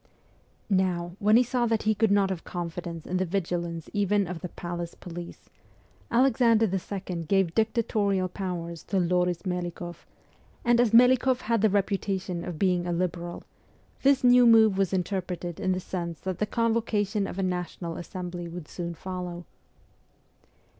Now, when he saw that he could not have confidence in the vigilance even of the Palace police, Alexander II. gave dictatorial powers to Loris Melikoff, and as Melikoff had the reputation of being a Liberal, this new move was interpreted in the sense that the convocation of a National Assembly would soon follow.